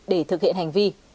để thực hiện hành vi